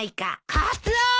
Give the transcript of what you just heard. カツオー！